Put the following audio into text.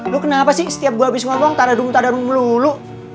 lu kenapa sih setiap gua habis ngomong tak ada drum tak ada drum melulu